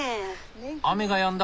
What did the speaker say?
雨がやんだ。